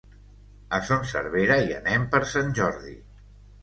A Son Servera hi anem per Sant Jordi.